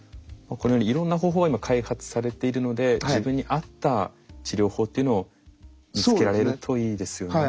このようにいろんな方法が今開発されているので自分に合った治療法っていうのを見つけられるといいですよね。